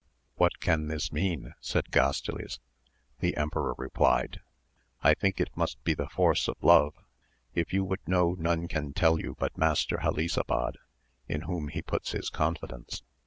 What can this mean 1 said Gastiles, the emperor replied, I think it must be the force of love. — If you would know none can tell you but Master Helisabad, in whom he puts his confidence.